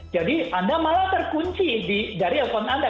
jadi anda malah terkunci dari telepon anda